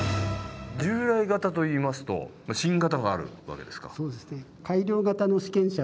従来型といいますと新型があるわけですか？